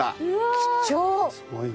貴重。